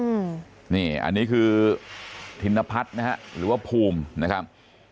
อืมนี่อันนี้คือธินพัฒน์นะฮะหรือว่าภูมินะครับ